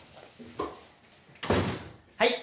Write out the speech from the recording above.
はい。